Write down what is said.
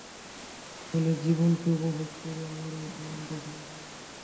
ফলে জীবনকে উপভোগ করি আমরাই, তোমরা কখনই পার না।